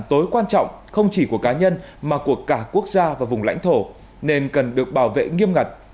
tối quan trọng không chỉ của cá nhân mà của cả quốc gia và vùng lãnh thổ nên cần được bảo vệ nghiêm ngặt